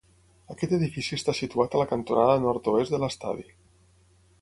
Aquest edifici està situat a la cantonada nord-oest de l'estadi.